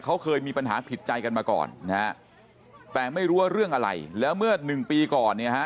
เขาเคยมีปัญหาผิดใจกันมาก่อนนะฮะแต่ไม่รู้ว่าเรื่องอะไรแล้วเมื่อหนึ่งปีก่อนเนี่ยฮะ